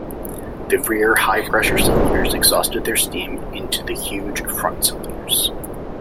The rear, high-pressure cylinders exhausted their steam into the huge front cylinders.